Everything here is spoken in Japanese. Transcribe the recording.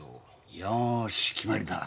よし決まりだ。